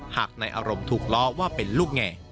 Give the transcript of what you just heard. หากในอารมณ์ถูกล้อว่าเป็นลูกแง่